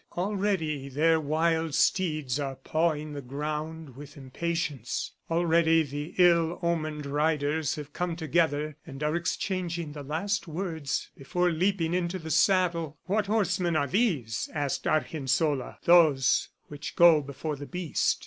... Already their wild steeds are pawing the ground with impatience; already the ill omened riders have come together and are exchanging the last words before leaping into the saddle." "What horsemen are these?" asked Argensola. "Those which go before the Beast."